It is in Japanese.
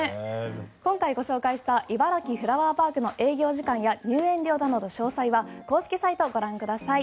今回ご紹介したいばらきフラワーパークの営業時間や入園料などは詳細は公式サイトをご覧ください。